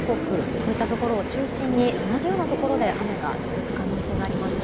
こういったところを中心に同じようなところで雨が続く可能性があります。